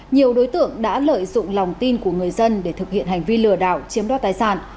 nhiều đối tượng đã lợi dụng lòng tin của người dân để thực hiện hành vi lừa đảo chiếm đo tài sản